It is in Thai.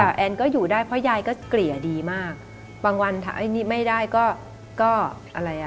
แต่แอนก็อยู่ได้เพราะยายก็เกรียดีมากบางวันไม่ได้ก็อะไรอ่ะ